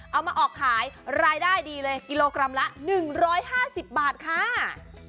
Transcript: เอามาออกขายรายได้ดีเลยกิโลกรัมละ๑๕๐บาทค่ะ